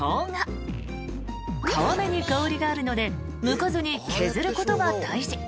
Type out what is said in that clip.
［皮目に香りがあるのでむかずに削ることが大事］